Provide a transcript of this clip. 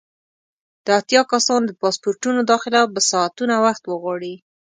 د اتیا کسانو د پاسپورټونو داخله به ساعتونه وخت وغواړي.